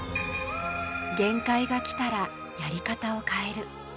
限界がきたらやり方を変える。